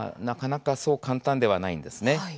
なかなかそう簡単ではないですね。